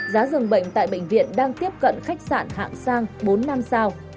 giá dường bệnh tại bệnh viện đang tiếp cận khách sạn hạng sang bốn năm sao